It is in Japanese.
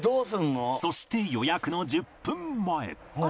そして予約の１０分前